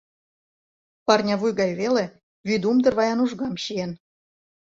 Парня вуй гай веле, вӱдумдыр ваян ужгам чиен.